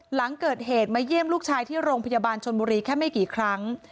หลังเกิดเหตุมาเยี่ยมลูกชายที่โรงพยาบาลชนบุรีแค่ไม่กี่ครั้ง